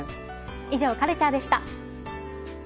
以上、カルチャーでした。